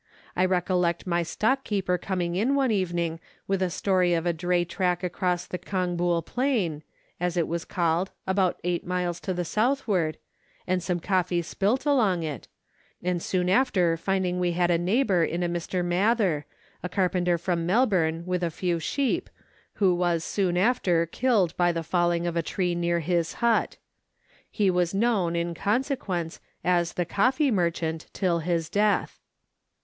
I recollect my stockkeeper coming in one even ing with a story of a dray track across the Congbool Plain, as it was called, about eight miles to the southward, and some coffee spilt along it, and soon after finding we had a neighbour in a Mr. Mather, a carpenter from Melbourne with a few sheep, who was soon after killed by the falling of a tree near his hut. He was known, in consequence, as the " coffee merchant " till his death.